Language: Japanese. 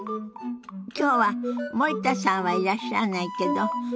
今日は森田さんはいらっしゃらないけど。